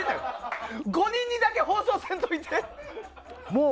５人にだけ放送せんといて。